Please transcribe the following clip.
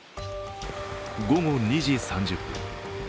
午後２時３０分。